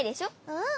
うん。